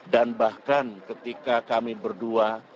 bahkan ketika kami berdua